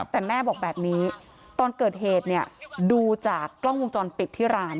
แต่แม่บอกแบบนี้ตอนเกิดเหตุเนี่ยดูจากกล้องวงจรปิดที่ร้าน